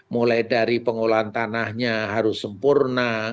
mulai dari pengolahan tanahnya harus sempurna